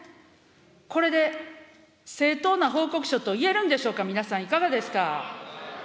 これで正当な報告書といえるんでしょうか、皆さん、いかがですか。